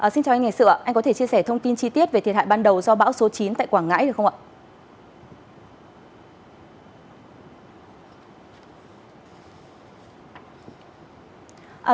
xin chào anh ngày xưa anh có thể chia sẻ thông tin chi tiết về thiệt hại ban đầu do bão số chín tại quảng ngãi được không ạ